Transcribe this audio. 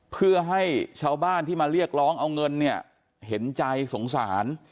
เพื่อให้ชาวบ้านที่มาเรียกร้องเอาเงินเนี่ยเห็นใจสงสาร